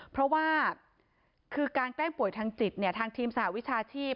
เพราะว่าคือการแกล้งป่วยทางจิตทางทีมสหวิชาชีพ